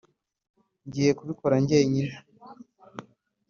ngiye kubikora njyenyine.